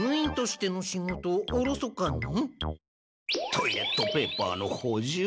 トイレットペーパーのほじゅう！